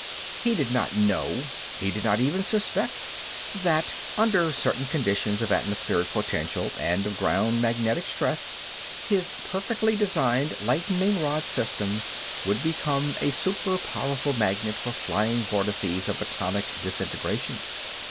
He did not know, he did not even suspect, that under certain conditions of atmospheric potential and of ground magnetic stress his perfectly designed lightning rod system would become a super powerful magnet for flying vortices of atomic disintegration.